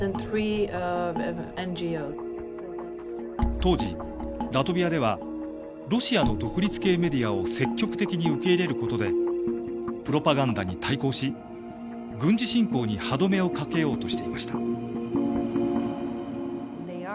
当時、ラトビアではロシアの独立系メディアを積極的に受け入れることでプロパガンダに対抗し軍事侵攻に歯止めをかけようとしていました。